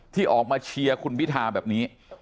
ที่ออกมาเชียร์คุณพิธาแบบนี้